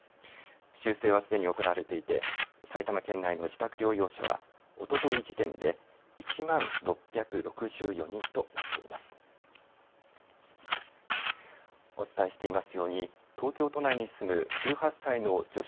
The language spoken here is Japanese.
修正はすでに行われていて埼玉県内の自宅療養者はおととい時点で１万６６４人となっています。